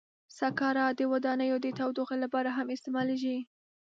سکاره د ودانیو د تودوخې لپاره هم استعمالېږي.